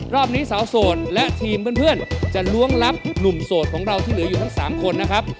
รอบนี้สาวโสดและทีมเพื่อนจะล้วงลับหนุ่มโสดของเราที่เหลืออยู่ทั้ง๓คนนะครับ